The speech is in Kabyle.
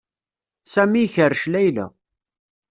Sami ikerrec Layla.